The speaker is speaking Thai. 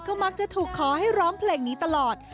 ก็มักจะถูกขอให้ร้องเพลงนี้ตลอด